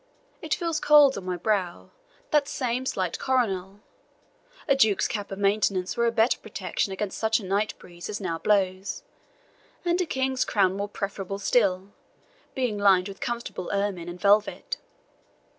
It feels cold on my brow, that same slight coronal; a duke's cap of maintenance were a better protection against such a night breeze as now blows, and a king's crown more preferable still, being lined with comfortable ermine and velvet.